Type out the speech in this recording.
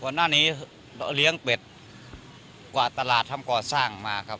วันนั้นนี้เราเลี้ยงเป็ดกว่าตลาดทำกว่าสร้างมาครับ